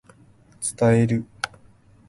伝える